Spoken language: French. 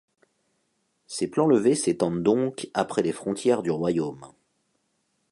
Ses plans levés s'étendent donc après les frontières du royaume.